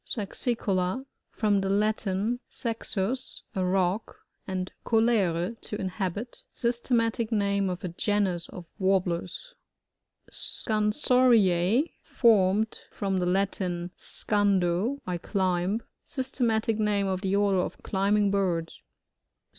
Saxioola.— From the. Latin, saxns, a rock, and coUre^ to inhabit. Sys teroatic name of a genus of Warb lers. SoANsoRTA' — Formed from the Latin, seandoj I climb. Systematic name of the order of climbing birds.